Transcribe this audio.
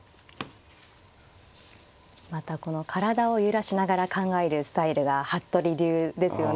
またこの体を揺らしながら考えるスタイルが服部流ですよね。